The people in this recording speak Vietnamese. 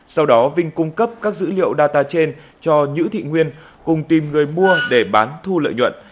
sau đó vinh cung cấp các dữ liệu data trên cho nhữ thị nguyên cùng tìm người mua để bán thu lợi nhuận